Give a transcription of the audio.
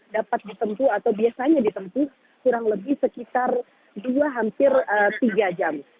dapat ditempu atau biasanya ditempuh kurang lebih sekitar dua hampir tiga jam